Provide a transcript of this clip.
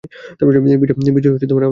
বিজয় আমাদেরই হবে!